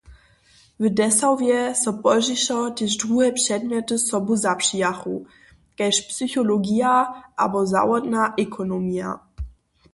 W Dessauwje so pozdźišo tež druhe předmjety sobu zapřijachu kaž psychologija abo zawodna ekonomija.